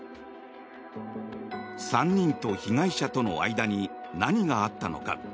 ３人と被害者との間に何があったのか。